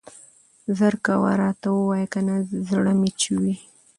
زر کوه راته ووايه کنه زړه مې چوي.